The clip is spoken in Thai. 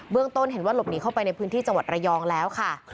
ต้นเห็นว่าหลบหนีเข้าไปในพื้นที่จังหวัดระยองแล้วค่ะ